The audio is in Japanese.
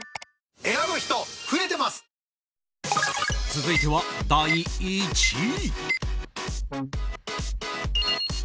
続いては、第１位。